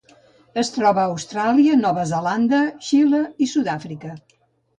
Es troba a Austràlia, Nova Zelanda, Xile i Sud-àfrica.